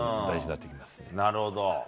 なるほど。